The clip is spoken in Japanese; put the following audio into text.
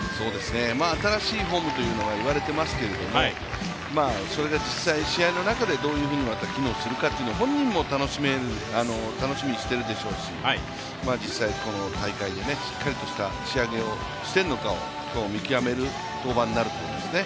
新しいフォームと言われてますけどそれが実際、試合の中でどういうふうに機能するかというのは、本人も楽しみにしているでしょうし、実際、この大会でしっかりとした仕上げをしているのかを今日見極める登板になると思いますね。